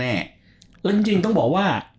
แล้วจริงต้องบอกว่า